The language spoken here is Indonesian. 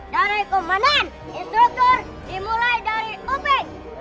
dari kumanan instruktur dimulai dari opi